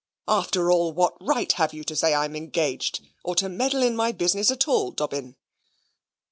After all, what right have you to say I am engaged, or to meddle in my business at all, Dobbin?"